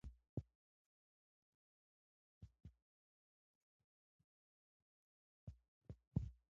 سیاستوال باید د ټولنې د ټولو قشرونو استازیتوب په سمه توګه وکړي.